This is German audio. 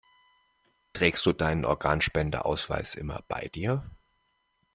Trägst du deinen Organspendeausweis immer bei dir?